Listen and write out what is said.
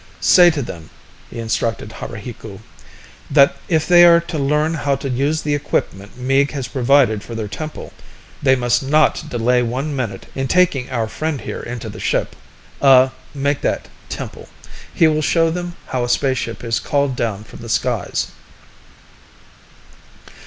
"Say to them," he instructed Haruhiku, "that if they are to learn how to use the equipment Meeg has provided for their temple, they must not delay one minute in taking our friend here into the ship ... uh ... make that 'temple.' He will show them how a spaceship is called down from the skies."